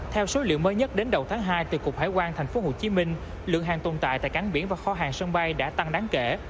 theo số liệu mới nhất đến đầu tháng hai từ cục hải quan tp hcm lượng hàng tồn tại tại cảng biển và kho hàng sân bay đã tăng đáng kể